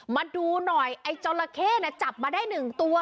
มาดูหน่อยไอ้จราเข้น่ะจับมาได้หนึ่งตัว